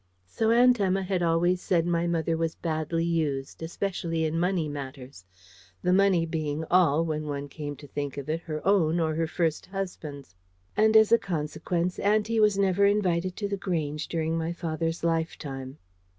So Aunt Emma had always said my mother was badly used, especially in money matters the money being all, when one came to think of it, her own or her first husband's; and as a consequence, auntie was never invited to The Grange during my father's lifetime.